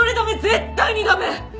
絶対にダメ！